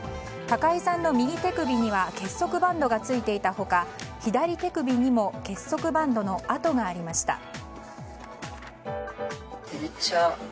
高井さんの右手首には結束バンドがついていた他左手首にも結束バンドの痕がありました。